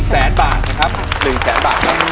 ๑แสนบาทครับ